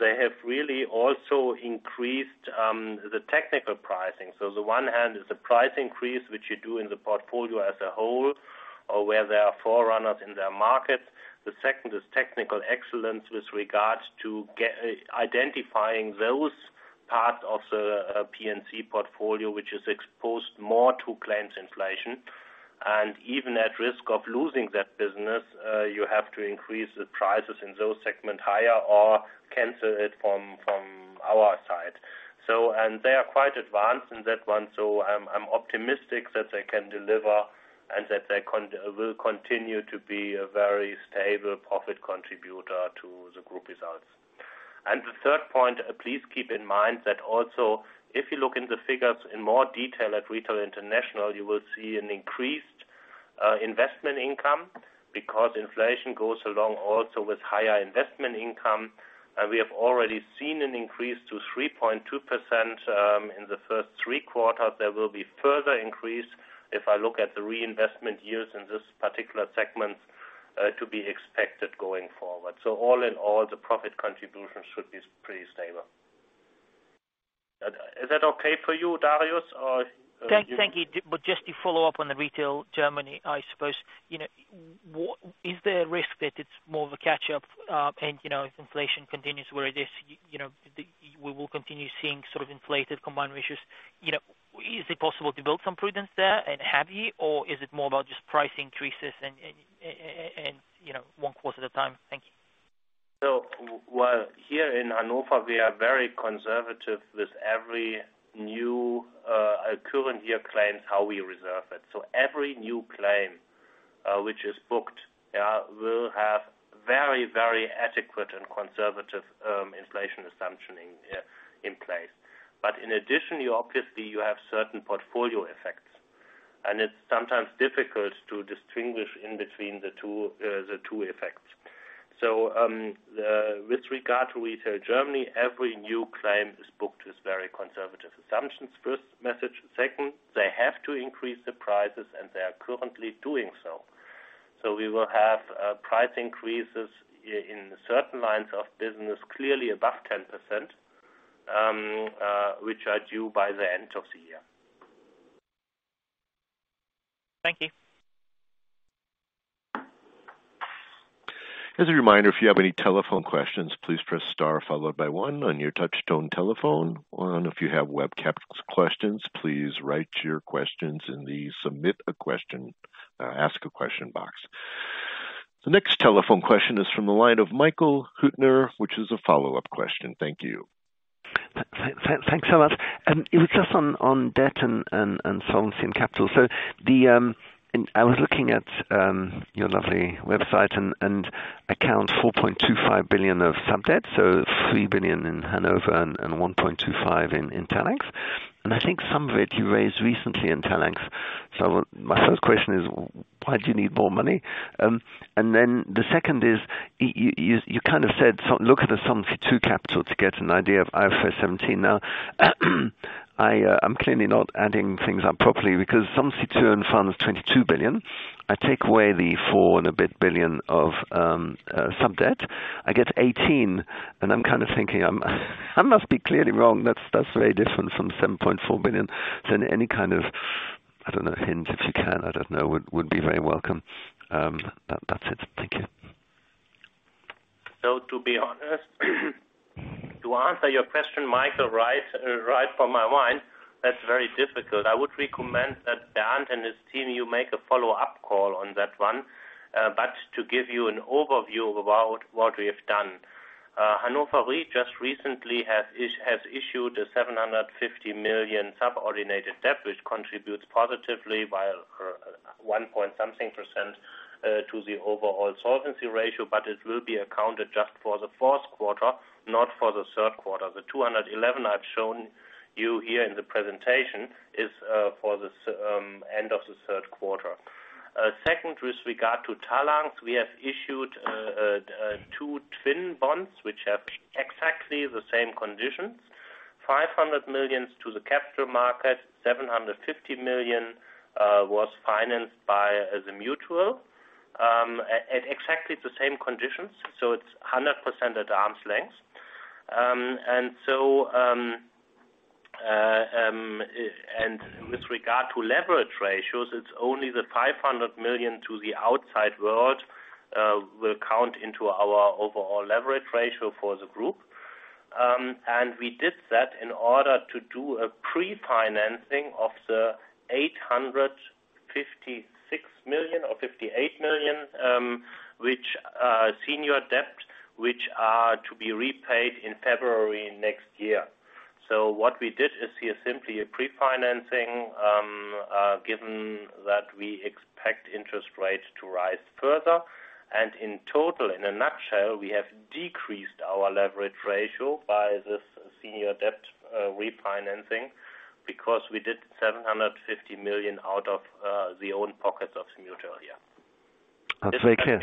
They have really also increased the technical pricing. On the one hand is the price increase, which you do in the portfolio as a whole, or where there are forerunners in their market. The second is technical excellence with regards to identifying those parts of the P&C portfolio, which is exposed more to claims inflation. Even at risk of losing that business, you have to increase the prices in those segment higher or cancel it from our side. They are quite advanced in that one. I'm optimistic that they can deliver and that they will continue to be a very stable profit contributor to the group results. The third point, please keep in mind that also, if you look in the figures in more detail at Retail International, you will see an increased investment income because inflation goes along also with higher investment income. We have already seen an increase to 3.2% in the first three quarters. There will be further increase if I look at the reinvestment years in this particular segment to be expected going forward. All in all, the profit contribution should be pretty stable. Is that okay for you, Darius? Thank you. Just to follow up on the Retail Germany, I suppose, you know, is there a risk that it's more of a catch up, and, you know, if inflation continues where it is, you know, we will continue seeing sort of inflated combined ratios. You know, is it possible to build some prudence there and have you, or is it more about just price increases and, you know, one quarter at a time? Thank you. Well, here in Hannover, we are very conservative with every new current year claims, how we reserve it. Every new claim which is booked will have very, very adequate and conservative inflation assumption in place. In addition, you obviously have certain portfolio effects, and it's sometimes difficult to distinguish between the two effects. With regard to Retail Germany, every new claim that's booked is very conservative assumptions. First measure. Second, they have to increase the prices, and they are currently doing so. We will have price increases in certain lines of business, clearly above 10%, which are due by the end of the year. Thank you. As a reminder, if you have any telephone questions, please press star followed by one on your touch tone telephone. Or if you have web cast questions, please write your questions in the Submit a question, Ask a question box. The next telephone question is from the line of Michael Huttner, which is a follow-up question. Thank you. Thanks a lot. It was just on debt and solvency and capital. I was looking at your lovely website and it accounts for 4.25 billion of sub debt, so 3 billion in Hannover Re and 1.25 billion in Talanx. I think some of it you raised recently in Talanx. My first question is, why do you need more money? The second is, you kind of said, look at the Solvency II capital to get an idea of IFRS 17. Now, I'm clearly not adding things up properly because Solvency II of 22 billion. I take away the 4 and a bit billion of sub-debt. I get 18, and I'm kind of thinking I must be clearly wrong. That's very different from 7.4 billion. Any kind of, I don't know, hint, if you can, I don't know, would be very welcome. That's it. Thank you. To be honest, to answer your question, Michael, right from my mind, that's very difficult. I would recommend that Bernd and his team, you make a follow-up call on that one. To give you an overview about what we have done, Hannover Re just recently has issued a 750 million subordinated debt, which contributes positively by 1.something%, to the overall solvency ratio. It will be accounted just for the Q4, not for the Q3. The 211 I've shown you here in the presentation is, for the end of the Q3. Second, with regard to Talanx, we have issued, two twin bonds, which have exactly the same conditions. 500 million to the capital market, 750 million was financed by the mutual at exactly the same conditions. It's 100% at arm's length. With regard to leverage ratios, it's only the 500 million to the outside world will count into our overall leverage ratio for the group. We did that in order to do a pre-financing of the 856 million or 858 million senior debt, which are to be repaid in February next year. What we did is here simply a pre-financing given that we expect interest rates to rise further. In total, in a nutshell, we have decreased our leverage ratio by this senior debt refinancing because we did 750 million out of the own pockets of mutual. Yeah. That's very clear.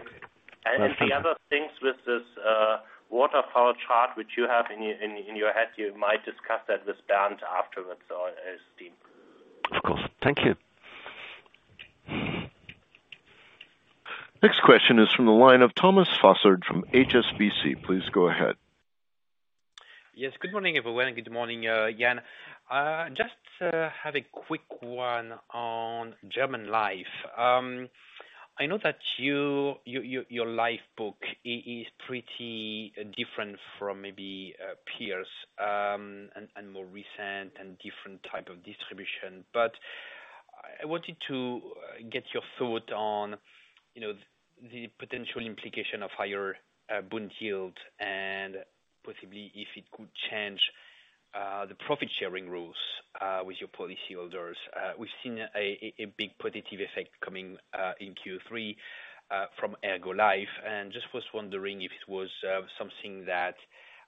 The other things with this waterfall chart, which you have in your head, you might discuss that with Bernd afterwards or his team. Of course. Thank you. Next question is from the line of Thomas Fossard from HSBC. Please go ahead. Yes. Good morning, everyone. Good morning, Jan. Just to have a quick one on German Life. I know that you, your life book is pretty different from maybe peers and more recent and different type of distribution. I wanted to get your thought on, you know, the potential implication of higher bond yield and possibly if it could change. The profit sharing rules with your policyholders, we've seen a big positive effect coming in Q3 from ERGO Life. Just was wondering if it was something that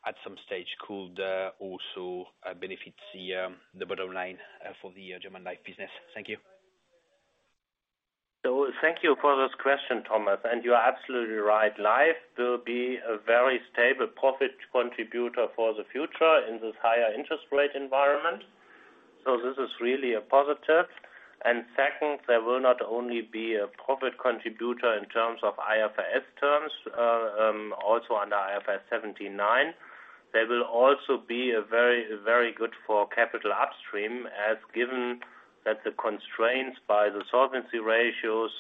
at some stage could also benefit the bottom line for the German Life business. Thank you. Thank you for this question, Thomas, and you are absolutely right. Life will be a very stable profit contributor for the future in this higher interest rate environment. This is really a positive. Second, there will not only be a profit contributor in terms of IFRS terms, also under IFRS 17/9. They will also be a very, very good for capital upstream, as given that the constraints by the solvency ratios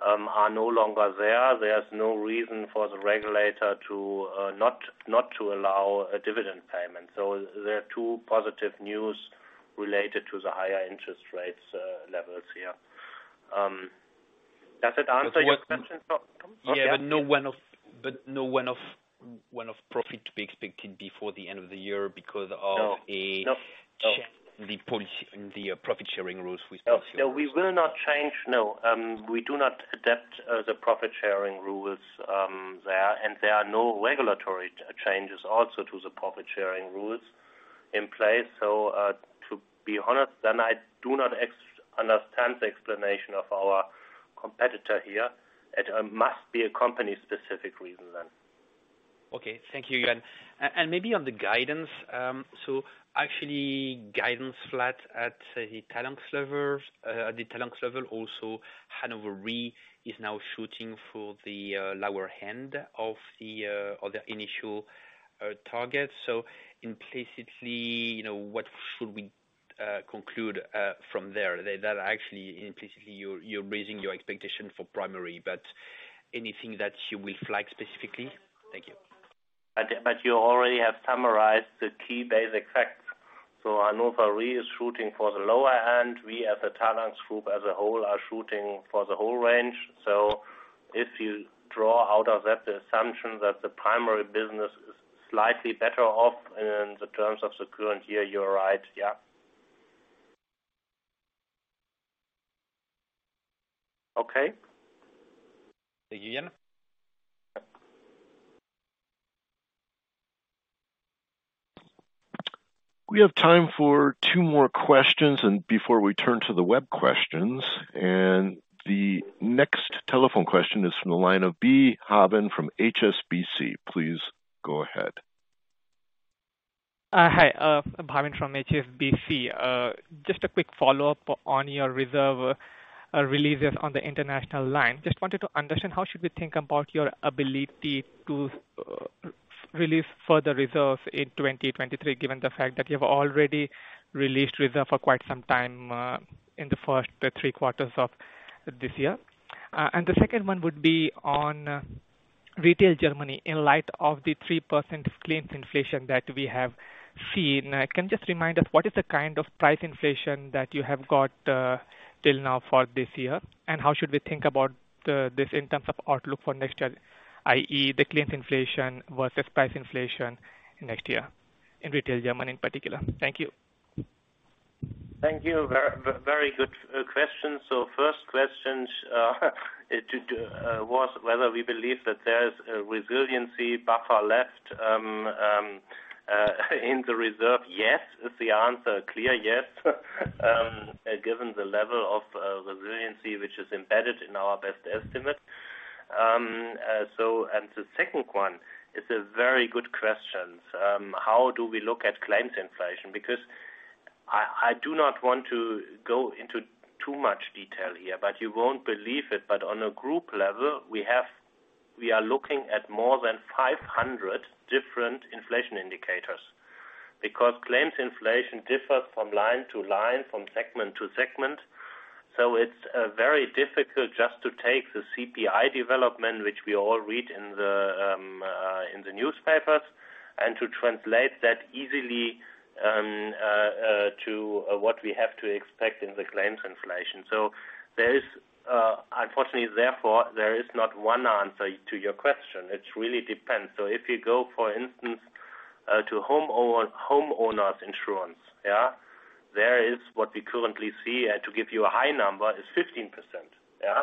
are no longer there. There's no reason for the regulator to not to allow a dividend payment. There are two positive news related to the higher interest rate levels here. Does that answer your question, Tom? Yeah. No one-off profit to be expected before the end of the year because of. No. The policy, the profit sharing rules with policyholders. No, we will not change. No. We do not adapt the profit sharing rules there. There are no regulatory changes also to the profit sharing rules in place. To be honest, then I do not understand the explanation of our competitor here. It must be a company specific reason then. Okay. Thank you, Jan Wicke. Maybe on the guidance, actually guidance flat at, say, the Talanx level. Also, Hannover Re is now shooting for the lower end of the other initial targets. Implicitly, you know, what should we conclude from there? That actually implicitly you're raising your expectation for primary. Anything that you will flag specifically? Thank you. You already have summarized the key basic facts. Hannover Re is shooting for the lower end. We, as a Talanx Group as a whole, are shooting for the whole range. If you draw out of that the assumption that the primary business is slightly better off in terms of the current year, you're right. Yeah. Okay. Thank you, Jan Wicke. We have time for two more questions and before we turn to the web questions. The next telephone question is from the line of Ismael Dabo from Morgan Stanley. Please go ahead. Hi. Dabo from HSBC. Just a quick follow-up on your reserve releases on the Retail International. Just wanted to understand how should we think about your ability to release further reserves in 2023, given the fact that you've already released reserves for quite some time in the first three quarters of this year? The second one would be on Retail Germany. In light of the 3% claims inflation that we have seen, can you just remind us what is the kind of price inflation that you have got till now for this year? And how should we think about this in terms of outlook for next year, i.e., the claims inflation versus price inflation next year in Retail Germany in particular? Thank you. Thank you. Very, very good question. First question was whether we believe that there's a resiliency buffer left in the reserve. Yes, is the answer. Clear yes. Given the level of resiliency which is embedded in our best estimate. The second one is a very good question. How do we look at claims inflation? Because I do not want to go into too much detail here, but you won't believe it. On a group level, we are looking at more than 500 different inflation indicators. Because claims inflation differs from line to line, from segment to segment. It's very difficult just to take the CPI development, which we all read in the newspapers, and to translate that easily to what we have to expect in the claims inflation. Unfortunately, therefore, there is not one answer to your question. It really depends. If you go, for instance, to homeowners insurance, yeah, there is what we currently see to give you a high number, is 15%, yeah?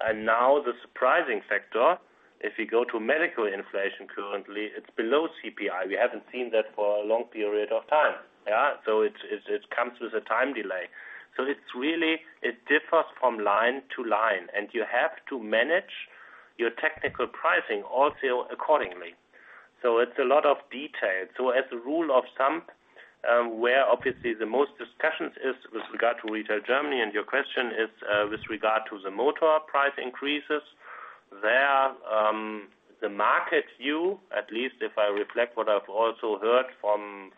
And now the surprising factor, if you go to medical inflation, currently it's below CPI. We haven't seen that for a long period of time, yeah? It comes with a time delay. It's really, it differs from line to line, and you have to manage your technical pricing also accordingly. It's a lot of detail. As a rule of thumb, where obviously the most discussions is with regard to Retail Germany, and your question is, with regard to the motor price increases. There, the market view, at least if I reflect what I've also heard from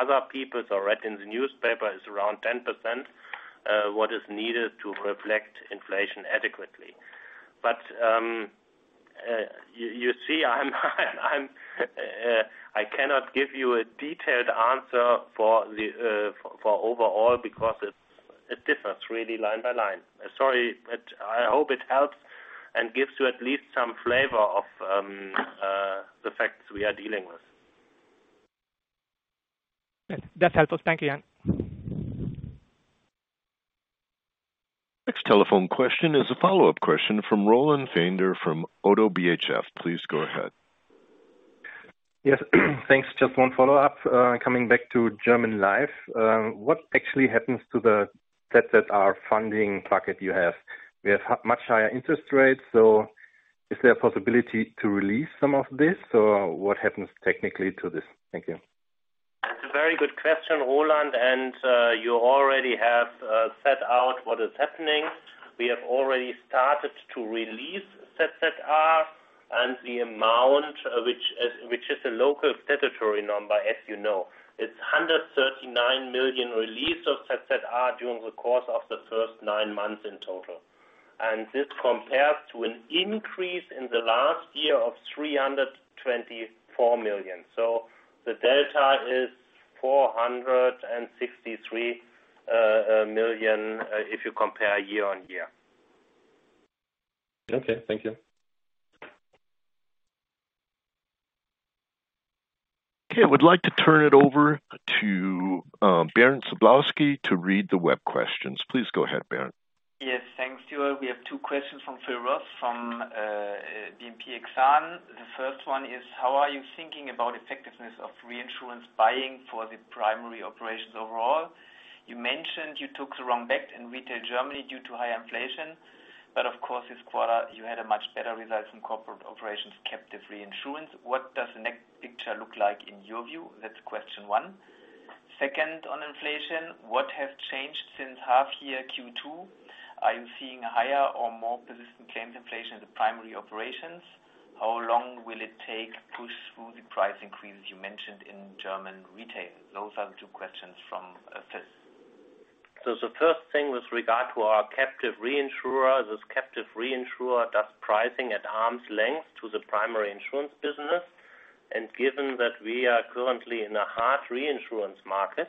other people or read in the newspaper, is around 10%, what is needed to reflect inflation adequately. I cannot give you a detailed answer for overall because it differs really line by line. Sorry, but I hope it helps. It gives you at least some flavor of the facts we are dealing with. That's helpful. Thank you, Jan. Next telephone question is a follow-up question from Roland Pfänder from Oddo BHF. Please go ahead. Yes, thanks. Just one follow-up. Coming back to German Life. What actually happens to the ZZR that are funding targets you have? We have much higher interest rates, so is there a possibility to release some of this? What happens technically to this? Thank you. That's a very good question, Roland. You already have set out what is happening. We have already started to release ZZR and the amount which is a local statutory number, as you know. It's 139 million release of ZZR during the course of the first nine months in total. This compares to an increase in the last year of 324 million. The delta is 463 million if you compare year-over-year. Okay, thank you. Okay. I would like to turn it over to Bernd Sablowsky to read the web questions. Please go ahead, Bernd. Yes, thanks, Stuart. We have two questions from Phil Ross from BNP Paribas Exane. The first one is, how are you thinking about effectiveness of reinsurance buying for the primary operations overall? You mentioned you took the wrong bet in Retail Germany due to high inflation, but of course, this quarter you had a much better result from corporate operations, captive reinsurance. What does the next picture look like in your view? That's question one. Second, on inflation, what has changed since half year Q2? Are you seeing higher or more persistent claims inflation in the primary operations? How long will it take push through the price increase you mentioned in German retail? Those are the two questions from Phil. The first thing with regard to our captive reinsurer. This captive reinsurer does pricing at arm's length to the primary insurance business. Given that we are currently in a hard reinsurance market,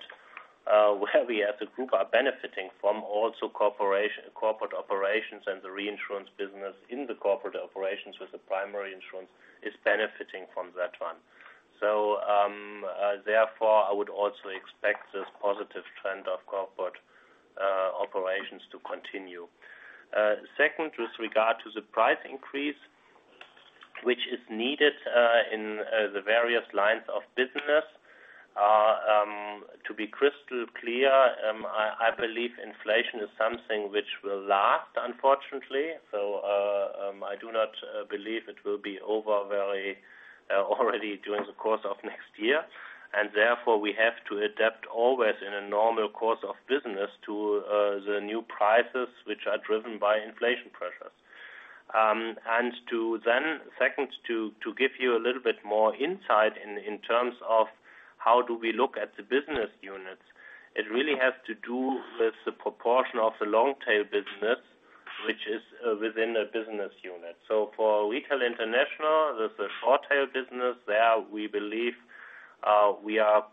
where we as a group are benefiting from also corporate operations and the reinsurance business in the corporate operations with the primary insurance is benefiting from that one. Therefore, I would also expect this positive trend of corporate operations to continue. Second, with regard to the price increase, which is needed, in the various lines of business. To be crystal clear, I believe inflation is something which will last, unfortunately. I do not believe it will be over very already during the course of next year. Therefore, we have to adapt always in a normal course of business to the new prices, which are driven by inflation pressures. To then second, to give you a little bit more insight in terms of how do we look at the business units. It really has to do with the proportion of the long tail business, which is within a business unit. For Retail International, there's a short tail business. There we believe we are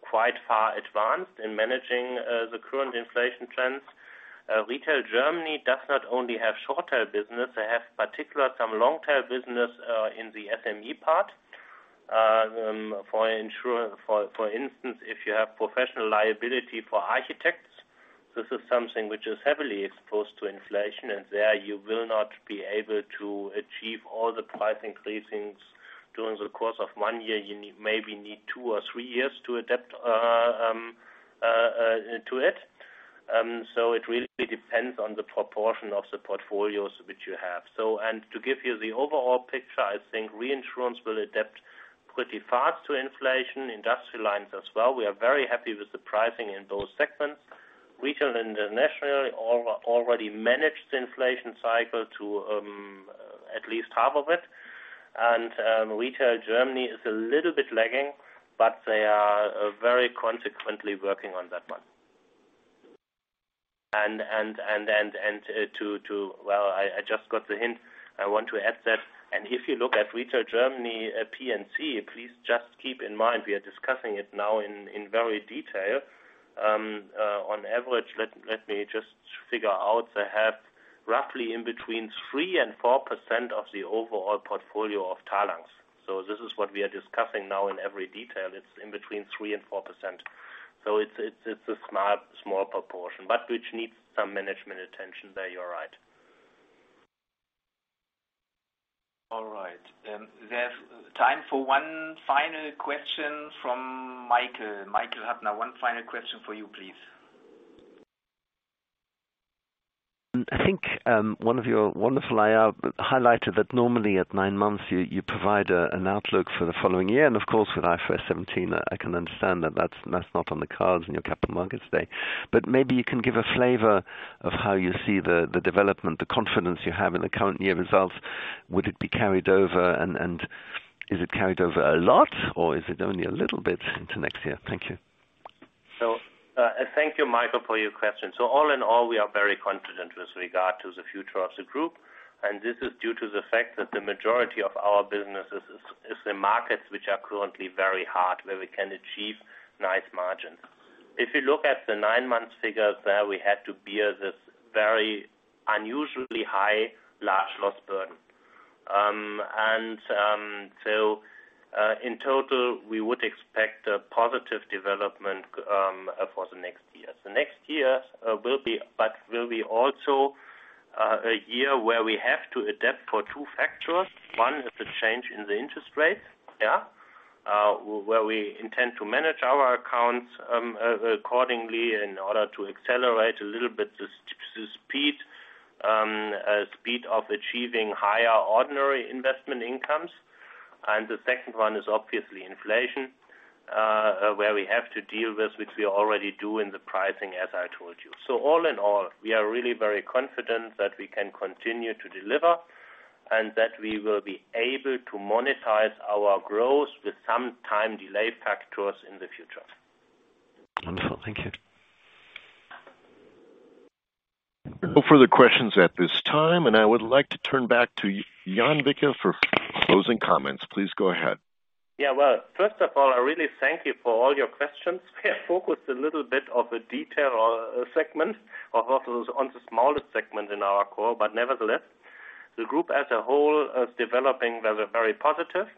quite far advanced in managing the current inflation trends. Retail Germany does not only have short tail business, they have particular some long tail business in the SME part. For instance, if you have professional liability for architects, this is something which is heavily exposed to inflation. There you will not be able to achieve all the price increases during the course of one year. You need maybe two or three years to adapt to it. It really depends on the proportion of the portfolios which you have. To give you the overall picture, I think reinsurance will adapt pretty fast to inflation. Industrial Lines as well. We are very happy with the pricing in those segments. Retail International already managed inflation cycle to at least half of it. Retail Germany is a little bit lagging, but they are very consequently working on that one. Well, I just got the hint. I want to add that. If you look at Retail Germany, P&C, please just keep in mind we are discussing it now in great detail. On average, let me just figure out. They have roughly in between 3%-4% of the overall portfolio of Talanx. This is what we are discussing now in great detail. It's in between 3%-4%. It's a small proportion, but which needs some management attention. There, you're right. All right. We have time for one final question from Michael. Michael Huttner, one final question for you, please. I think one of your wonderful IR highlighted that normally at nine months, you provide an outlook for the following year. Of course, with IFRS 17, I can understand that that's not on the cards in your Capital Markets Day. Maybe you can give a flavor of how you see the development, the confidence you have in the current year results. Would it be carried over and is it carried over a lot or is it only a little bit into next year? Thank you. Thank you, Michael, for your question. All in all, we are very confident with regard to the future of the group. This is due to the fact that the majority of our businesses is the markets which are currently very hard, where we can achieve nice margins. If you look at the nine-month figures where we had to bear this very unusually high large loss burden. In total, we would expect a positive development for the next year. The next year will be also a year where we have to adapt for two factors. One is the change in the interest rates, where we intend to manage our accounts accordingly in order to accelerate a little bit the speed of achieving higher ordinary investment incomes. The second one is obviously inflation, where we have to deal with, which we already do in the pricing, as I told you. All in all, we are really very confident that we can continue to deliver and that we will be able to monetize our growth with some time delay factors in the future. Wonderful. Thank you. No further questions at this time, and I would like to turn back to Jan Wicke for closing comments. Please go ahead. Yeah. Well, first of all, I really thank you for all your questions. We have focused a little bit of a detail or segment of also on the smallest segment in our core, but nevertheless, the group as a whole is developing very, very positive.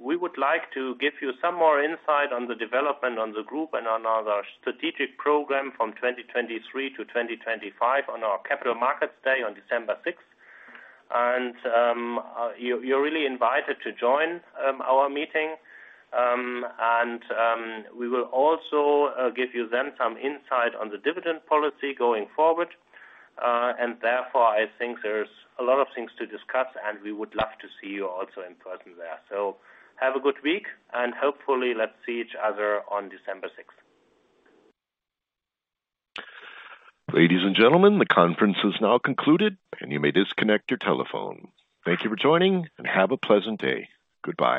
We would like to give you some more insight on the development on the group and on our strategic program from 2023 to 2025 on our Capital Markets Day on December 6th. You, you're really invited to join our meeting. We will also give you then some insight on the dividend policy going forward. Therefore, I think there's a lot of things to discuss, and we would love to see you also in person there. Have a good week, and hopefully, let's see each other on December 6th. Ladies and gentlemen, the conference is now concluded, and you may disconnect your telephone. Thank you for joining and have a pleasant day. Goodbye.